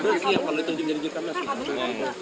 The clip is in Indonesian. mas gibran siapa yang ditunjukin jadi jirkan mas